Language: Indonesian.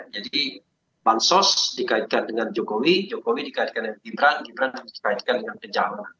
jadi bansos dikaitkan dengan jokowi jokowi dikaitkan dengan gibran gibran dikaitkan dengan pejabat